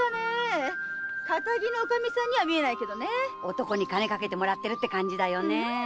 男に金かけてもらってるって感じだよね！